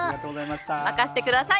任してください。